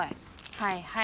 はいはい。